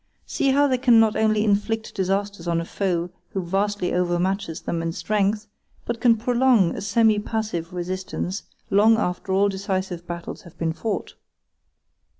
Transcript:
See how they can not only inflict disasters on a foe who vastly overmatches them in strength, but can prolong a semi passive resistance long after all decisive battles have been fought.